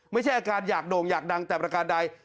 ไม่ใช่อาการอยากโด่งอยากดังแต่ประการใด